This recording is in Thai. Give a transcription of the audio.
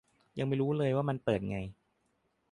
ยังไม่รู้เลยว่ามันเปิดไง